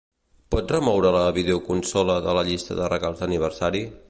Pots remoure la videoconsola de la llista de regals d'aniversari?